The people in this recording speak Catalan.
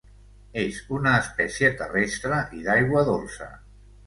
És una espècie terrestre i d'aigua dolça.